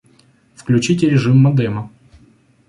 Включите режим модема